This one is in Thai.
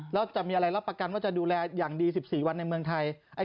แล้วจะมีอะไรรับประกันว่าจะดูแลอย่างดี๑๔วันในเมืองไทย